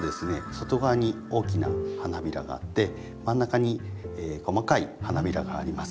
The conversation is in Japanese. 外側に大きな花びらがあって真ん中に細かい花びらがあります。